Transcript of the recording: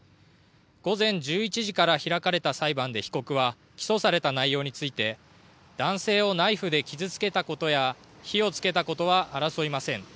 午前１１時から開かれた裁判で被告は起訴された内容について男性をナイフで傷つけたことや火をつけたことは争いません。